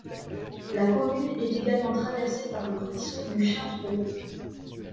La commune est également traversée par le ruisseau du Chaintreau.